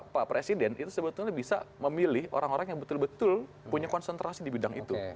pak presiden itu sebetulnya bisa memilih orang orang yang betul betul punya konsentrasi di bidang itu